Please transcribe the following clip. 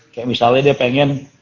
kayak misalnya dia pengen